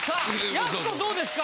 やす子どうですか？